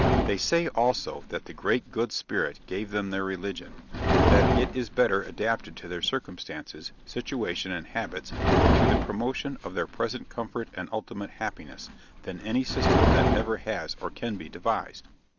They say, also, that the Great Good Spirit gave them their religion; and that it is better adapted to their circumstances, situation and habits, and to the promotion of their present comfort and ultimate happiness, than any system that ever has or can be devised.